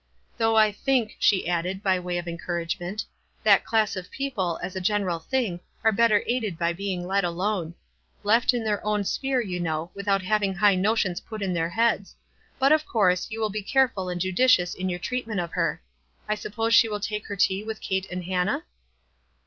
"Though I think," she added, by way of en couragement, " that class of people, as a general thing, are better aided by being let alone. Left in their own sphere, you know, without having high notions put in their heads; but, of course, }'ou w T ill be careful and judicious in your treat ment of her. I suppose she will take her tea with Kate and Hannah?"